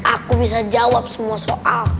aku bisa jawab semua soal